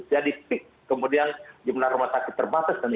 jadi kemudian jumlah rumah sakit terbang